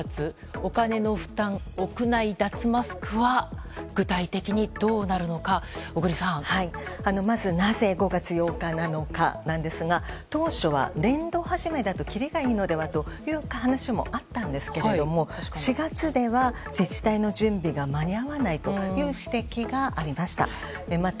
お金の負担、屋内脱マスクは具体的にどうなるのかなぜ５月８日なのかですが当初は年度初めだときりがいいのではという話もあったんですが４月では自治体の準備が間に合わないという指摘がありました。